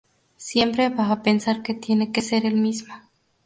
Siempre va a pensar que tiene que ser el mismo.